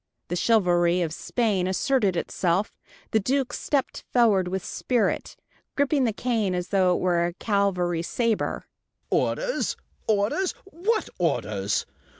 The chivalry of Spain asserted itself. The Duke stepped forward with spirit, gripping the cane as though it were a cavalry saber. "Orders orders what orders?